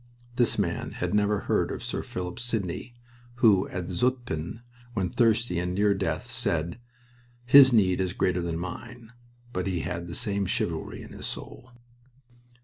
This man had never heard of Sir Philip Sidney, who at Zutphen, when thirsty and near death, said, "His need is greater than mine," but he had the same chivalry in his soul.